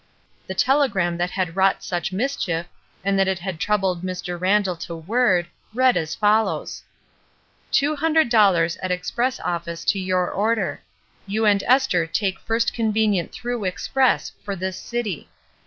The telegram that had wrought such mischief, and that it had troubled Mr. Randall to word, read as follows:— " "Two hundred dollars at express office to your order. You and Esther take first con venient through express for this city.